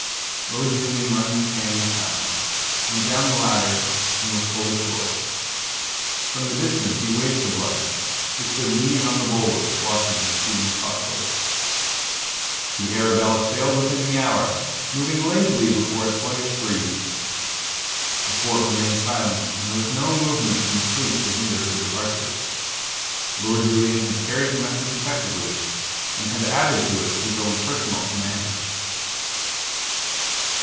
Lord Julian wrung his hand in silence, went down the ladder, and was pulled ashore. From the distance he waved to Blood, who stood leaning on the bulwarks watching the receding cock boat. The Arabella sailed within the hour, moving lazily before a sluggish breeze. The fort remained silent and there was no movement from the fleet to hinder her departure. Lord Julian had carried the message effectively, and had added to it his own personal commands.